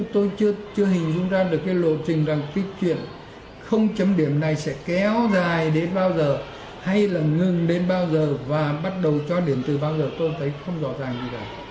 tôi chưa hình dung ra được cái lộ trình rằng cái chuyện không chấm điểm này sẽ kéo dài đến bao giờ hay là ngừng đến bao giờ và bắt đầu cho đến từ bao giờ tôi thấy không rõ ràng gì cả